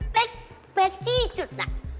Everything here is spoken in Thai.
เป๊กเป๊กจี้จุดอะ